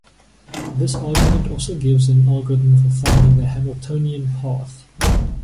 This argument also gives an algorithm for finding the Hamiltonian path.